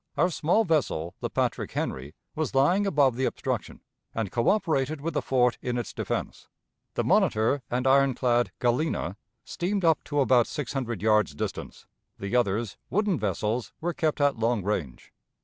Our small vessel, the Patrick Henry, was lying above the obstruction, and coöperated with the fort in its defense the Monitor and ironclad Galena steamed up to about six hundred yards' distance; the others, wooden vessels, were kept at long range.